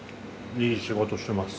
いい仕事してます。